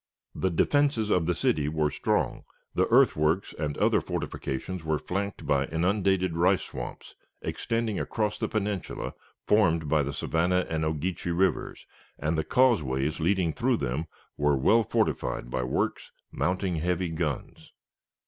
The defenses of the city were strong, the earthworks and other fortifications were flanked by inundated rice swamps extending across the peninsula formed by the Savannah and Ogeechee Rivers, and the causeways leading through them were well fortified by works mounting heavy guns.